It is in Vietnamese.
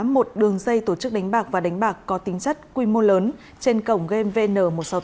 một đường dây tổ chức đánh bạc và đánh bạc có tính chất quy mô lớn trên cổng gmvn một trăm sáu mươi tám